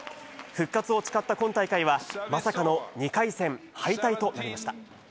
復活を誓った今大会は、まさかの２回戦敗退となりました。